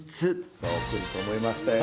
そう来ると思いましたよ。